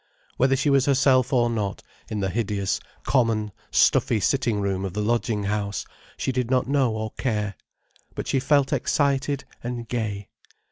Whether she was herself or not, in the hideous, common, stuffy sitting room of the lodging house she did not know or care. But she felt excited and gay.